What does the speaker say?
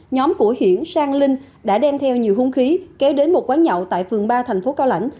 nhóm của hiển sang linh đã đem theo nhiều hung khí kéo đến một quán nhậu tại phường ba thành phố cao lãnh